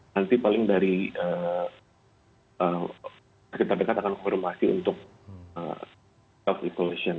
nanti paling dari sekitar dekat akan konfirmasi untuk health regulation